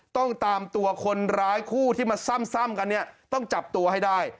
ต้องตามตัวคนร้ายคู่ที่มาซ่ำกันเนี่ยต้องจับตัวให้ได้